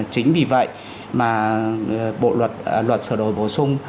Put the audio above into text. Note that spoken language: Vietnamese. chính vì vậy mà bộ luật luật sửa đổi bổ sung